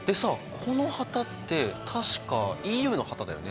この旗って確かＥＵの旗だよね？